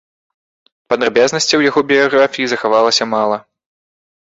Падрабязнасцяў яго біяграфіі захавалася мала.